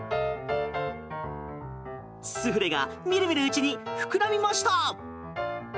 スフレがみるみるうちに膨らみました。